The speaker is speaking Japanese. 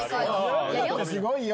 すごいよ。